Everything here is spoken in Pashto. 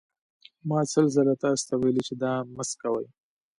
ما سل ځله تاسې ته ویلي چې دا مه څکوئ.